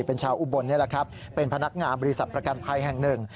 คนชาวอุบลเป็นพนักงามบริษัทประกันภัยแห่งหนึ่ง